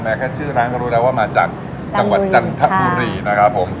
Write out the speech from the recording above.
แค่ชื่อร้านก็รู้แล้วว่ามาจากจังหวัดจันทบุรีนะครับผม